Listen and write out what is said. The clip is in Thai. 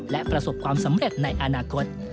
และประสบความสำเร็จในอนาคต